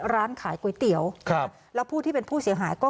ร้านขายก๋วยเตี๋ยวครับแล้วผู้ที่เป็นผู้เสียหายก็